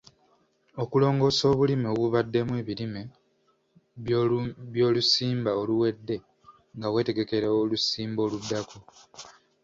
Okulongoosa obulime obubaddemu ebirime by'olusimba oluwedde nga weetegekera olusimba oluddako.